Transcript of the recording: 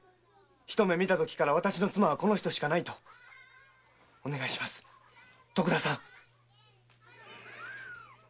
ひと目見たときから“私の妻はこの人しかない”と！お願いします徳田さん。